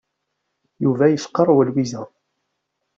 Yuba yecqarrew Lwiza.